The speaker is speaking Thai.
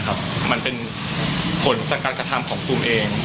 เพราะตุ๋มเป็นผลจากการกระทำของตุ๋มเอง